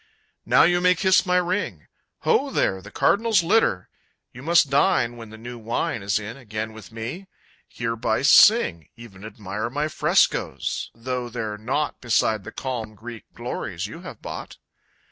Now you may kiss my ring! Ho there, the Cardinal's litter! You must dine When the new wine Is in, again with me hear Bice sing, Even admire my frescoes though they're nought Beside the calm Greek glories you have bought!